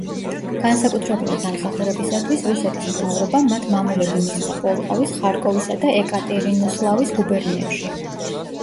განსაკუთრებული დამსახურებისათვის რუსეთის მთავრობამ მათ მამულები მისცა პოლტავის, ხარკოვისა და ეკატერინოსლავის გუბერნიებში.